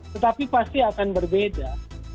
tetapi pasti akan berbeda